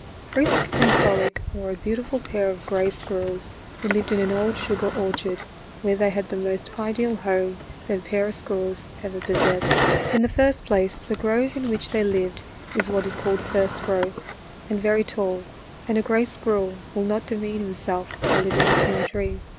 Frisk and Frolic were a beautiful pair of gray squirrels who lived in an old sugar orchard, where they had the most ideal home that a pair of squirrels ever possessed. In the first place the grove in which they lived is what is called " first growth " and very tall, and a gray squirrel will not demean him self by living in small trees.